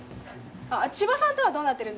あっ千葉さんとはどうなってるんです？